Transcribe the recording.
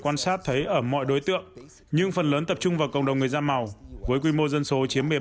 quan sát thấy ở mọi đối tượng nhưng phần lớn tập trung vào cộng đồng người da màu với quy mô dân số